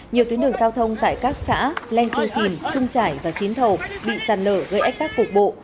nhiều tuyến đường giao thông tại các xã len xô xìn trung trải và xín thầu bị sạt lở gây ách tác cục bộ